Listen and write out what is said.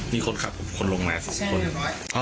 มีคนขับคนลงมา๒คน